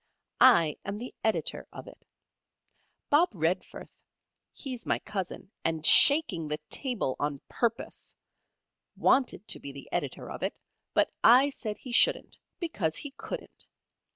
I am the Editor of it. Bob Redforth (he's my cousin, and shaking the table on purpose) wanted to be the Editor of it, but I said he shouldn't because he couldn't.